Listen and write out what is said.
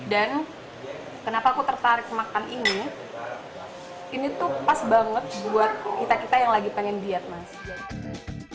dan kenapa aku tertarik makan ini ini tuh pas banget buat kita kita yang lagi pengen diet mas